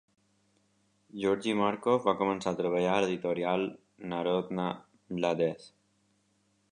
Georgi Markov va començar a treballar a l'editorial Narodna Mladezh.